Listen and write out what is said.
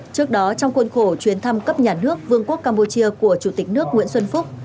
trước đó trong khuôn khổ chuyến thăm cấp nhà nước vương quốc campuchia của chủ tịch nước nguyễn xuân phúc